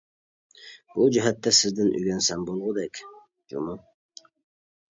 بۇ جەھەتتە سىزدىن ئۆگەنسەم بولغۇدەك جۇمۇ.